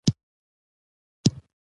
د لوی خدای زور د بنده خدمت ته را رسېږي